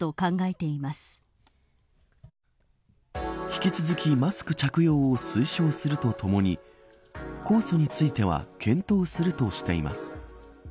引き続きマスク着用を推奨するとともに控訴については検討するとしています。